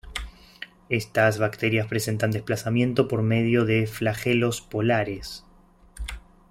Estas bacterias presentan desplazamiento por medio de flagelos polares.